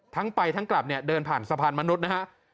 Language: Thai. ทั้งไปทั้งกลับเนี่ยเดินผ่านสะพานมนุษย์นะฮะ